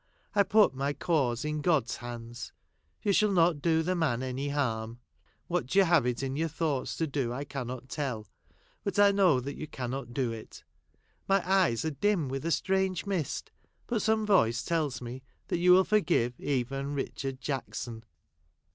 I put my cause in God's hands. You shall not do the man any harm. What you have it in your thoughts to do I cannot tell. But I know that you can not do it. My eyes are dim with a strange mist, but some voice tells me that you will forgive even Richard Jack son.